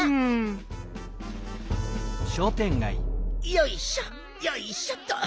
よいしょよいしょっと！